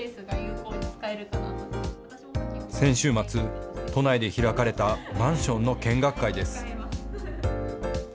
先週末、都内で開かれたマンションの見学会です。